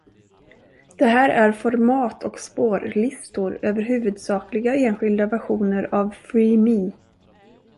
Det här är format och spårlistor över huvudsakliga enskilda versioner av "Free Me".